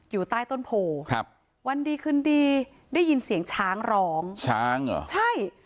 อยู่ใต้ต้นโพครับวันดีคืนดีได้ยินเสียงช้างร้องช้างเหรอใช่